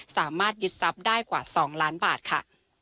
สามารถยึดทรัพย์ได้กว่า๒ล้านบาทค่ะ